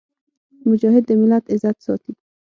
مجاهد د ملت عزت ساتي.